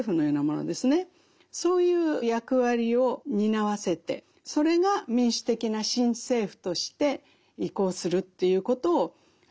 そういう役割を担わせてそれが民主的な新政府として移行するということを期待していました。